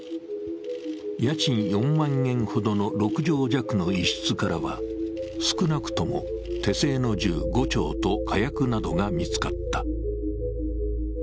家賃４万円ほどの６畳弱の一室からは、少なくとも手製の銃５丁と火薬などが見つかった。